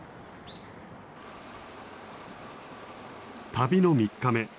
旅の３日目。